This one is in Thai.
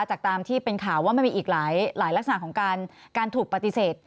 ตามที่เป็นข่าวว่ามันมีอีกหลายลักษณะของการถูกปฏิเสธ